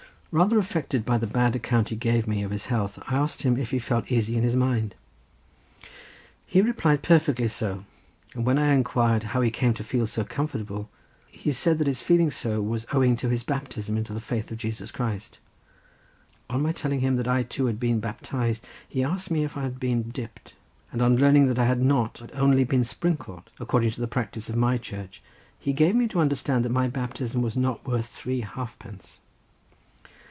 Rather affected at the bad account he gave me of his health, I asked him if he felt easy in his mind. He replied perfectly so, and when I inquired how he came to feel so comfortable, he said that his feeling so was owing to his baptism into the faith of Christ Jesus. On my telling him that I too had been baptized, he asked me if I had been dipped; and on learning that I had not, but only been sprinkled, according to the practice of my church, he gave me to understand that my baptism was not worth three halfpence.